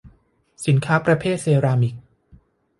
สินค้าประเภทเซรามิก